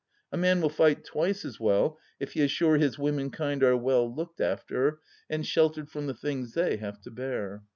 A man will fight twice as well if he is sure his womenkind are well looked after, and sheltered from the things they have to bear.